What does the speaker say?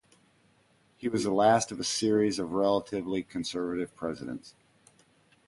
He was the last of a series of relatively conservative Presidents.